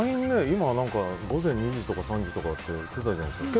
今、午前２時とか３時とか言ってたじゃないですか。